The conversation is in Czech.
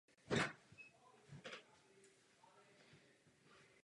Nikdo nesmí hlasovat pro trenéra z vlastního týmu.